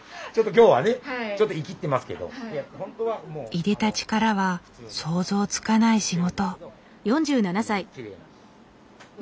いでたちからは想像つかない仕事。